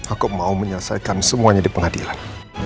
aku mau menyelesaikan semuanya di pengadilan